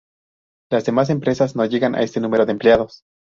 Las demás empresas no llegan a este número de empleados.